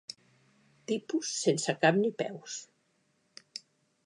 Tipus sense cap ni peus.